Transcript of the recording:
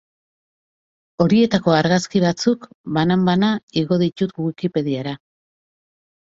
Horietako argazki batzuk, banan-banan, igo ditut Wikipediara.